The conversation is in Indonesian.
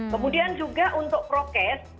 kemudian juga untuk prokes